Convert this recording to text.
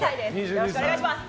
よろしくお願いします。